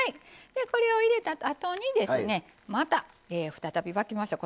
でこれを入れたあとにですねまた再び沸きました。